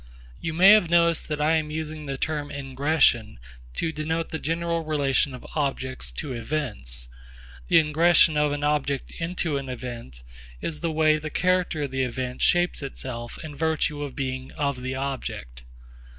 You may have noticed that I am using the term 'ingression' to denote the general relation of objects to events. The ingression of an object into an event is the way the character of the event shapes itself in virtue of the being of the object.